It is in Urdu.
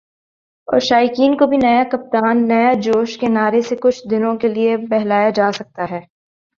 اور شائقین کو بھی "نیا کپتان ، نیا جوش" کے نعرے سے کچھ دنوں کے لیے بہلایا جاسکتا ہے ۔